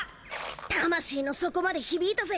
魂の底まで響いたぜ！